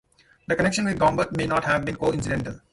The connection with Gombert may not have been coincidental.